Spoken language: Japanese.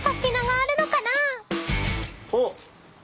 おっ！